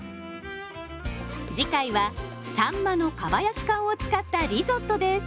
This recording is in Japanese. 次回はさんまのかば焼き缶を使ったリゾットです。